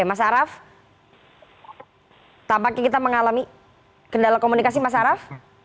mas araf tampaknya kita mengalami kendala komunikasi mas araf